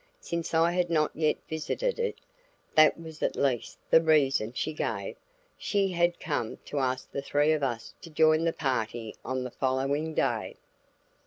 Since I had not yet visited it (that was at least the reason she gave) she had come to ask the three of us to join the party on the following day.